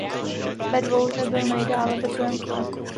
Ve dvouhře byl nejdále ve druhém kole.